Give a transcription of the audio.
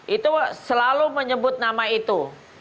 itu selalu menyebut nama itu